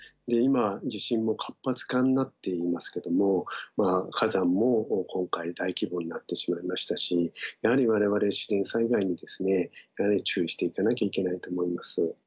で今地震も活発化になっていますけども火山も今回大規模になってしまいましたしやはり我々自然災害にですね注意していかなきゃいけないと思います。